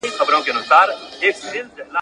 تا تر قیامته په اورغوي کي کتلای نه سم !.